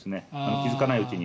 気付かないうちに。